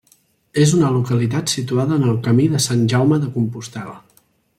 És una localitat situada en el camí de Sant Jaume de Compostel·la.